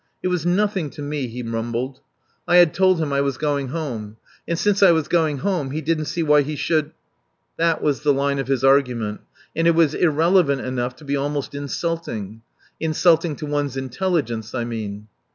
It was nothing to me, he mumbled. I had told him I was going home. And since I was going home he didn't see why he should. ... That was the line of his argument, and it was irrelevant enough to be almost insulting. Insulting to one's intelligence, I mean.